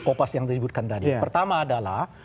kopas yang disebutkan tadi pertama adalah